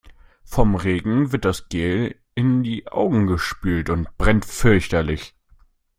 Vom Regen wird das Gel in die Augen gespült und brennt fürchterlich.